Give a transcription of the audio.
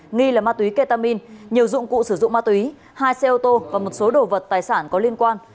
nghi là ma túy ketamine nhiều dụng cụ sử dụng ma túy hai xe ô tô và một số đồ vật tài sản có liên quan